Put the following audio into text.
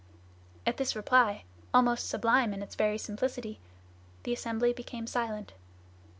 At this reply, almost sublime in its very simplicity, the assembly became silent.